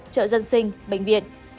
chợ dân sinh bệnh viện